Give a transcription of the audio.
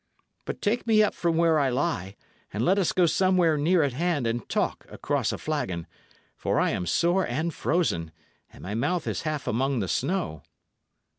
But take me up from where I lie, and let us go somewhere near at hand and talk across a flagon, for I am sore and frozen, and my mouth is half among the snow."